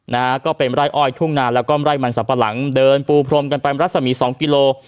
นะฮะก็เป็นไร่อ้อยทุ่งนานแล้วก็ไร่มันสับปะหลังเดินปูพรมกันไปรัศมีสองกิโล